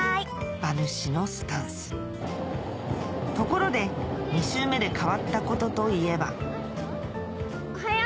馬主のスタンスところで２周目で変わったことといえばおはよう！